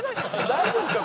大丈夫ですか？